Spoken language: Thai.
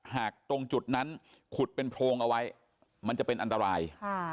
หากตรงจุดนั้นขุดเป็นโพรงเอาไว้มันจะเป็นอันตราย